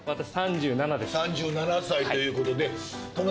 ３７歳ということで。